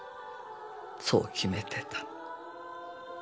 そう決めてたの。